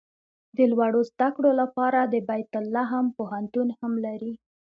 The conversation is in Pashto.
د لوړو زده کړو لپاره د بیت لحم پوهنتون هم لري.